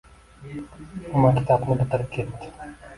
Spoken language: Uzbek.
U maktabni bitirib ketdi...